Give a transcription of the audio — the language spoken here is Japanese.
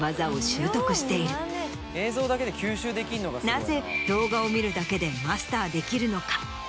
なぜ動画を見るだけでマスターできるのか。